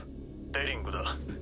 デリングだ。